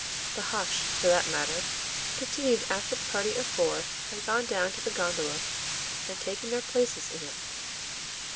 The hush, for that matter, continued after the party of four had gone down to the gondola and taken their places in it.